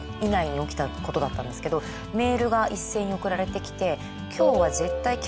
メールが一斉に送られてきて。